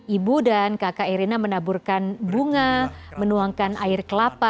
ibu dan kakak irina menaburkan bunga menuangkan air kelapa